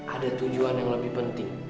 ada tujuan yang lebih penting